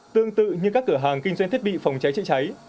tương tự như các cửa hàng kinh doanh thiết bị phòng cháy chữa cháy